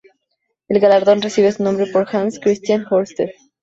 El galardón recibe su nombre por Hans Christian Ørsted.